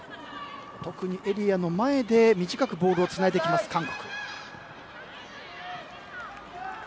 特にエリアの前で短くボールをつないでくる韓国。